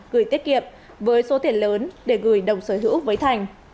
gửi tiết kiệm với số tiền lớn để gửi đồng sở hữu với thành